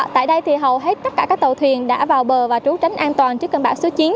tại đây thì hầu hết tất cả các tàu thuyền đã vào bờ và trú tránh an toàn trước cơn bão số chín